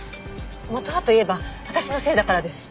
元はといえば私のせいだからです。